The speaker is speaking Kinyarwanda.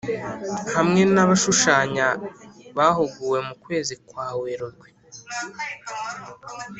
hamwe n’abashushanya bahuguwe mu kwezi kwa Werurwe